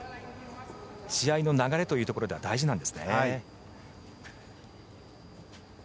試合の流れというところでは大事なんですね。